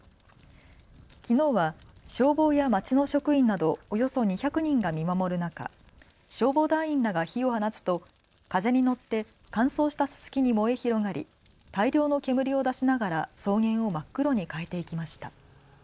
きのうは消防や町の職員などおよそ２００人が見守る中、消防団員らが火を放つと風に乗って乾燥したすすきに燃え広がり大量の煙を出しながら草原を真っ黒に変えていきました。